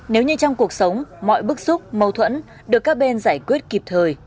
nếu như trong cuộc sống mọi bức xúc mâu thuẫn được các bên giải quyết kịp thời